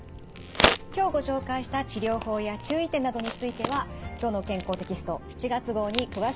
今日ご紹介した治療法や注意点などについては「きょうの健康」テキスト７月号に詳しく掲載されています。